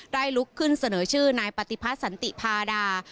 ลุกขึ้นเสนอชื่อนายปฏิพัฒน์สันติพาดา